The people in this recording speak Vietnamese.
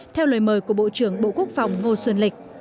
theo lời mời của bộ trưởng bộ quốc phòng ngô xuân lịch